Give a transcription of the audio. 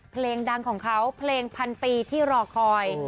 เพลงดังของเขาเพลงพันปีที่รอคอย